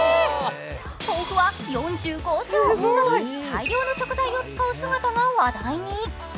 豆腐は４５丁など、大量の食材を使う姿が話題に。